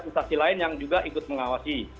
instasi lain yang juga ikut mengawasi